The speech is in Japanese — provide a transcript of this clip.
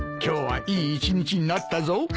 今日はいい一日になったぞ。